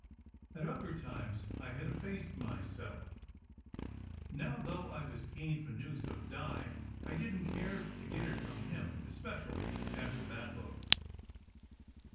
At other times I had effaced myself; now, though I was keen for news of Di, I didn t care to get it from him, especially after that look.